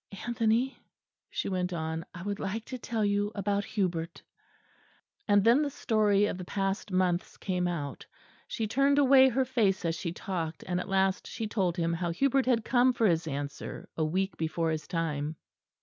"Anthony," she went on, "I would like to tell you about Hubert." And then the story of the past months came out; she turned away her face as she talked; and at last she told him how Hubert had come for his answer, a week before his time.